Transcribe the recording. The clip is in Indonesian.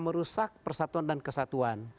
merusak persatuan dan kesatuan